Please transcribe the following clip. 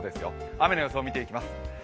雨の予想を見ていきます